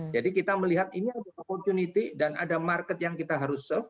jadi kita melihat ini adalah opportunity dan ada market yang kita harus serve